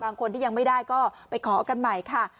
บางคนที่ยังไม่ได้ก็ไปขอกันใหม่ค่ะ